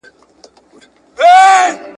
په کړوپه ملا به ورسره ناڅم !.